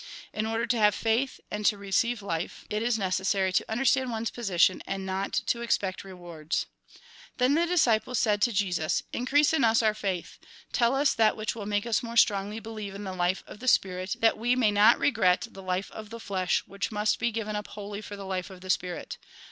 In order to have faith, and to receive life, it is necessary to under stand one's position, and not to expect rewards." Then the disciples said to Jesus :" Increase in us our faith. Tell us that which will make us more strongly believe in the life of the spirit, that we may not regret the life of the flesh, which must be given up wholly for the life of the spirit.